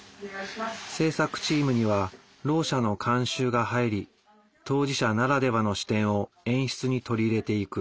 制作チームにはろう者の監修が入り当事者ならではの視点を演出に取り入れていく。